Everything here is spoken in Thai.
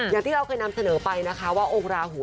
อย่างที่เราเคยนำเสนอไปนะคะว่าองค์ราหู